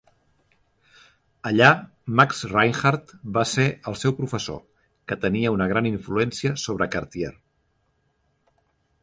Allà, Max Reinhardt va ser el seu professor, que tenia una gran influencia sobre Cartier.